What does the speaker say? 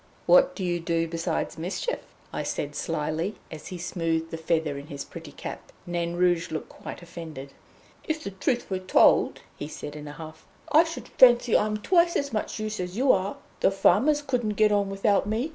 "What do you do besides mischief?" I said slyly, as he smoothed the feather in his pretty cap. Nain Rouge looked quite offended. "If the truth were told," he said in a huff, "I should fancy I'm twice as much use as you are. The farmers couldn't get on without me.